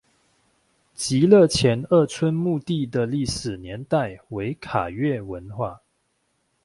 极乐前二村墓地的历史年代为卡约文化。